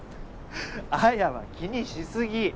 彩は気にし過ぎ！